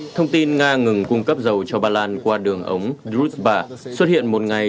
thông tin nga ngừng cung cấp dầu cho ba lan qua đường ống dutba xuất hiện một ngày